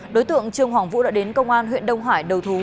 đối tượng trương hoàng vũ đã đến công an huyện đông hải đầu thú